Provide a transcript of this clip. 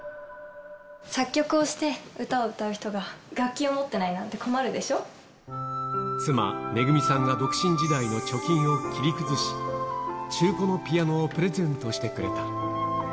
作曲をして歌を歌う人が楽器妻、めぐみさんが独身時代の貯金を切り崩し、中古のピアノをプレゼントしてくれた。